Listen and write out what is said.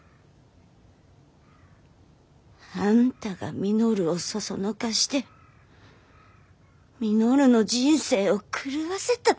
あんたが稔をそそのかして稔の人生を狂わせたんじゃ。